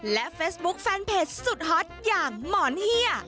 และเฟซบุ๊คแฟนเพจสุดฮอตอย่างหมอนเฮีย